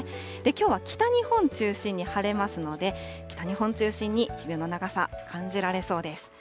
きょうは北日本中心に晴れますので、北日本中心に昼の長さ感じられそうです。